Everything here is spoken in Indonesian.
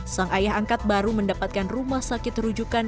sang ayah angkat baru mendapatkan rumah sakit rujukan